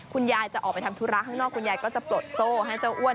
คุณยายจะออกไปทำธุระข้างนอกคุณยายก็จะปลดโซ่ให้เจ้าอ้วน